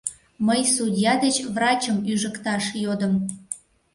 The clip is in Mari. Мый судья деч врачым ӱжыкташ йодым.